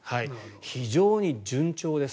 非常に順調です。